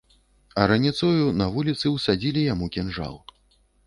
А раніцою, на вуліцы, усадзілі яму кінжал.